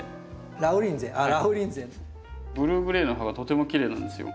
ブルーグレーの葉がとてもきれいなんですよ。